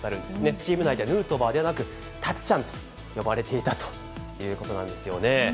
チーム内では、ヌートバーではなく、たっちゃんと呼ばれていたということなんですよね。